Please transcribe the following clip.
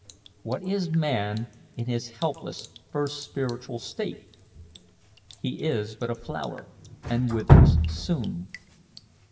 What is man in his helpless, first spiritual state? He is but a flower, and withers soon.